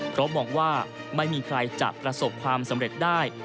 เพราะมองว่าไม่มีใครจะประสบความสำเร็จได้